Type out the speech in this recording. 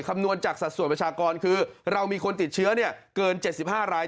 คำนวณจากสัดส่วนประชากรคือเรามีคนติดเชื้อเกิน๗๕ราย